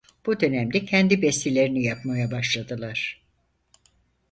Bu dönemde kendi bestelerini yapmaya başladılar.